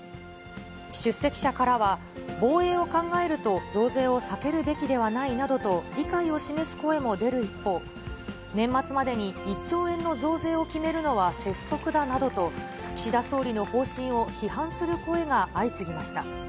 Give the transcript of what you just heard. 出席者からは、防衛を考えると増税を避けるべきではないなどと理解を示す声も出る一方、年末までに１兆円の増税を決めるのは拙速だなどと、岸田総理の方針を批判する声が相次ぎました。